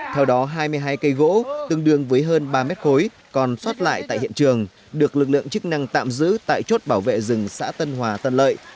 theo đó hai mươi hai cây gỗ tương đương với hơn ba mét khối còn xót lại tại hiện trường được lực lượng chức năng tạm giữ tại chốt bảo vệ rừng xã tân hòa tân lợi